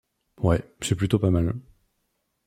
Ouais, c’est plutôt pas mal.